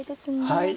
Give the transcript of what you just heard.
はい。